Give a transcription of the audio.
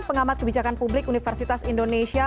pengamat kebijakan publik universitas indonesia